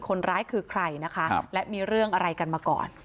คนร้ายคือใครมีเรื่องอะไรกันมาก่อน